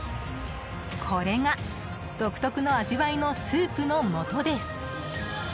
これが独特の味わいのスープのもとです。